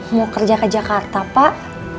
mau kerja ke jakarta pak